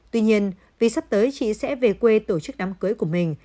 tuy nhiên vì sắp tới chị sẽ về quê tổ chức đám cưới của mình